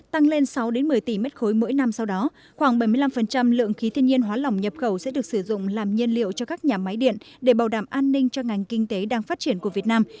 tăng lên sáu một mươi tỷ m ba mỗi năm sau đó khoảng bảy mươi năm lượng khí thiên nhiên hóa lỏng nhập khẩu sẽ được sử dụng làm nhiên liệu cho các nhà máy điện để bảo đảm an ninh cho ngành kinh tế đang phát triển của việt nam